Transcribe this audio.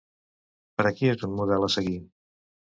Per a qui és un model a seguir?